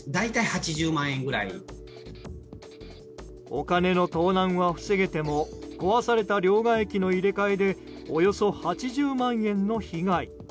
お金の盗難は防げても壊された両替機の入れ替えでおよそ８０万円の被害。